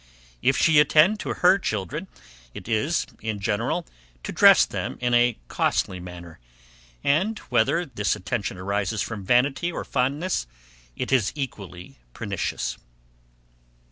If she attend to her children, it is, in general, to dress them in a costly manner and, whether, this attention arises from vanity or fondness, it is equally pernicious.